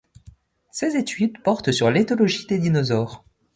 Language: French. Ses études portent sur l'éthologie des dinosaures.